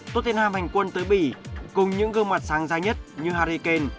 tottenham hành quân tới bỉ cùng những gương mặt sáng ra nhất như harry kane